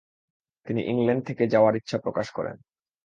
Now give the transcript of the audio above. তিনি ইংল্যান্ডে থেকে যাওয়ার ইচ্ছা প্রকাশ করেন।